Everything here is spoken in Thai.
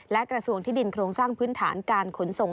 และกระทรวงที่ดินโครงสร้างพื้นฐานการขนส่ง